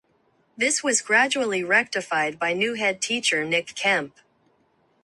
This was gradually rectified by new head teacher Nick Kemp.